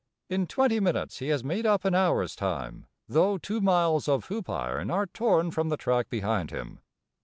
In twenty minutes he has made up an hour's time, though two miles of hoop iron are torn from the track behind him.